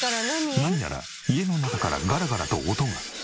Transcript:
何やら家の中からガラガラと音が。